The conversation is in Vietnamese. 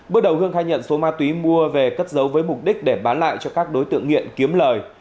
bước đầu hương khai nhận số ma túy mua về cất giấu với mục đích để bán lại cho các đối tượng nghiện kiếm lời